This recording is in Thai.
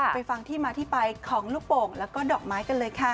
ฟังที่มาที่ไปของลูกโป่งแล้วก็ดอกไม้กันเลยค่ะ